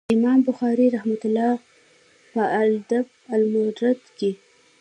امام بخاري رحمه الله په الأدب المفرد کي